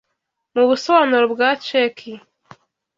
Mu busobanuro bwa Ceki